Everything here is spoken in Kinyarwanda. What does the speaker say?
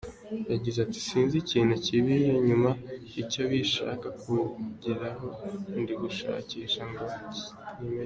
Yagize ati: sinzi ikintu kibiri inyuma icyo bishaka kugeraho, ndi gushakisha ngo nkimenye”.